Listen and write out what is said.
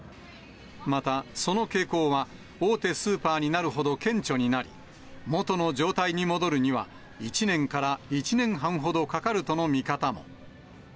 また、その傾向は、大手スーパーになるほど顕著になり、元の状態に戻るには、１年から１年半ほどかかるとの見方も。